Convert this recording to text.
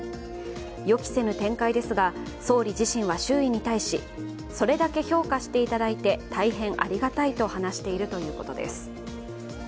予期せぬ展開ですが、総理自身は周囲に対し、それだけ評価していただいて大変ありがたいと話しているということです。